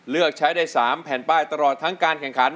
เลือกใช้ได้๓แผ่นป้ายตลอดทั้งการแข่งขัน